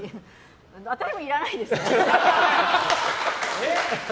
私もいらないですよ。